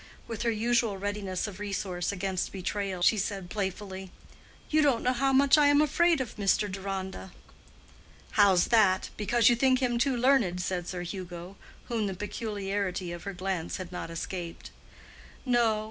With her usual readiness of resource against betrayal, she said, playfully, "You don't know how much I am afraid of Mr. Deronda." "How's that? Because you think him too learned?" said Sir Hugo, whom the peculiarity of her glance had not escaped. "No.